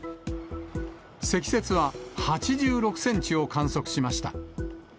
積雪は８６センチを観測しました。